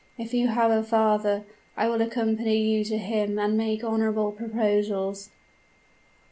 If you have a father, I will accompany you to him and make honorable proposals.'